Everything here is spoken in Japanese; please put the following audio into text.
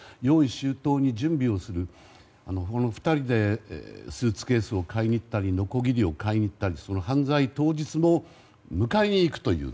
周到に準備をするこの２人でスーツケースを買いに行ったりのこぎりを買いに行ったり犯罪当日も迎えに行くという。